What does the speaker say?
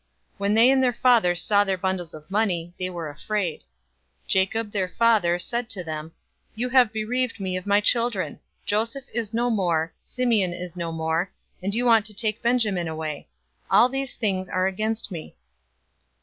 When they and their father saw their bundles of money, they were afraid. 042:036 Jacob, their father, said to them, "You have bereaved me of my children! Joseph is no more, Simeon is no more, and you want to take Benjamin away. All these things are against me."